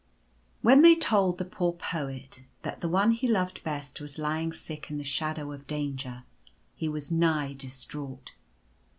3 HEN they told the poor Poet that the One he loved best was lying sick in the shadow of ■ danger, he was nigh distraught.